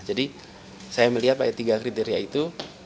jadi saya melihat pada tiga kriteria itu